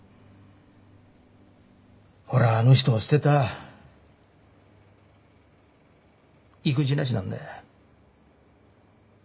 俺はあの人を捨てた意気地なしなんだよ。